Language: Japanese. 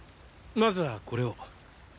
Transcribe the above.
まずはこれを。